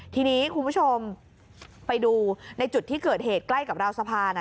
ทีนี้คุณผู้ชมไปดูในจุดที่เกิดเหตุใกล้กับราวสะพาน